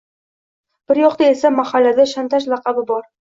Bir yoqda esa mahallada shantaj laqabi bor.